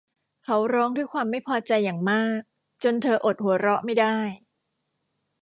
เขาร้องด้วยความไม่พอใจอย่างมากจนเธออดหัวเราะไม่ได้